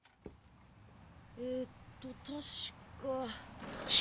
えっと確か。